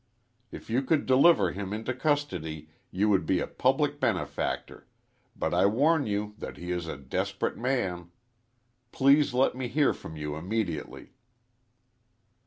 If you could deliver him into custody you would be a public benefactor, but I warn you that he is a desperate man. Please let me hear from you immediately."